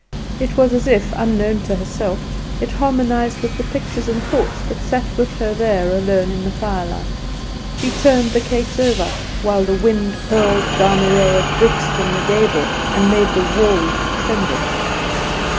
It was as if, unknown to herself, it harmonized with the pictures and thoughts that sat with her there alone in the firelight. She turned the cakes over, while the wind hurled down a row of bricks from the gable, and made the walls tremble.